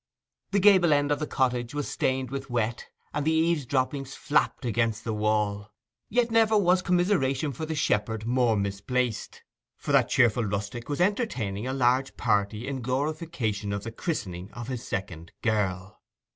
The gable end of the cottage was stained with wet, and the eavesdroppings flapped against the wall. Yet never was commiseration for the shepherd more misplaced. For that cheerful rustic was entertaining a large party in glorification of the christening of his second girl.